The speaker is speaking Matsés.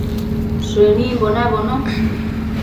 Shënimbo nabono